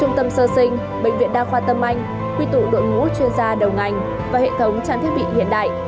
trung tâm sơ sinh bệnh viện đa khoa tâm anh quy tụ đội ngũ chuyên gia đầu ngành và hệ thống trang thiết bị hiện đại